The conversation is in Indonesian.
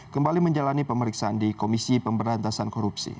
kembali menjalani pemeriksaan di komisi pemberantasan korupsi